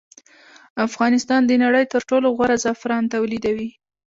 افغانستان د نړۍ تر ټولو غوره زعفران تولیدوي